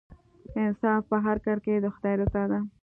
انصاف په هر کار کې د خدای رضا ده.